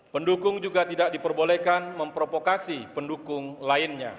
pendukung juga tidak diperbolehkan memprovokasikan